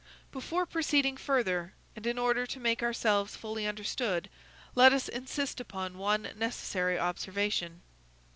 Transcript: Before proceeding further, and in order to make ourselves fully understood, let us insist upon one necessary observation.